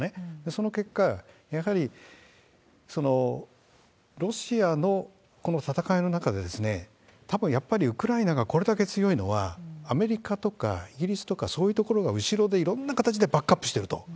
その結果、やはりロシアのこの戦いの中で、たぶんやっぱりウクライナがこれだけ強いのは、アメリカとかイギリスとか、そういうところが後ろで、いろんな形でバックアップしてると。